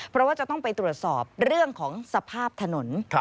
เพราะว่าจะต้องไปตรวจสอบเรื่องของสภาพถนน